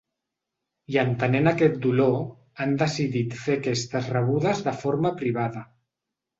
I entenent aquest dolor han decidit fer aquestes rebudes de forma privada.